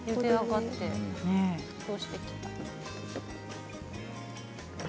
沸騰してきた。